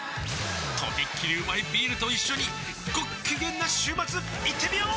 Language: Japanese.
とびっきりうまいビールと一緒にごっきげんな週末いってみよー！